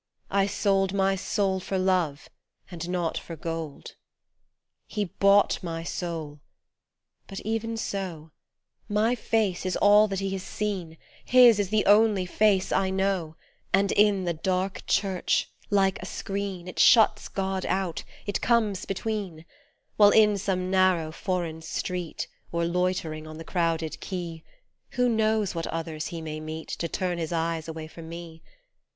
I sold My soul for love and not for gold. He bought my soul, but even so, My face is all that he has seen, His is the only face I know, And in the dark church, like a screen, It shuts God out ; it comes between ; While in some narrow foreign street Or loitering on the crowded quay, Who knows what others he may meet To turn his eyes away from me